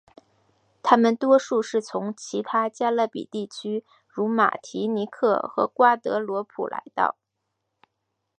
他们多数是从其他加勒比地区如马提尼克和瓜德罗普来到。